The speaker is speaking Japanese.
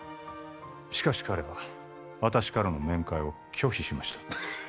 しかし彼は私からの面会を拒否しました